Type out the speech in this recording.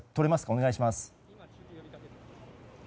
お願いします。